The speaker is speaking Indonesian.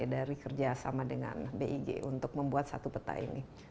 dari kerjasama dengan big untuk membuat satu peta ini